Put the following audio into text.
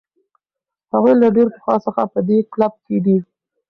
هغوی له ډېر پخوا څخه په دې کلب کې دي.